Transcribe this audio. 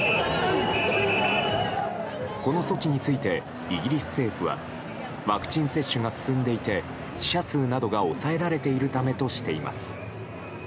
この措置についてイギリス政府はワクチン接種が進んでいて死者数などが抑えられているためとしています。